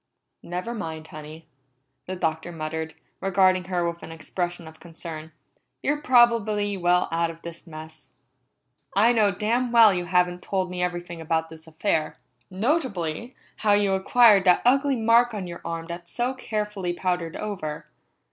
"Never mind, Honey," the Doctor muttered, regarding her with an expression of concern. "You're probably well out of the mess. I know damn well you haven't told me everything about this affair notably, how you acquired that ugly mark on your arm that's so carefully powdered over.